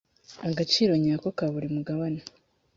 agaciro nyako ka buri mugabane